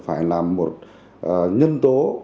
phải là một nhân tố